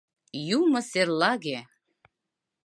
Юмо серлаге!